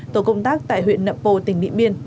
tổ công tác tại huyện nậm pồ tỉnh điện biên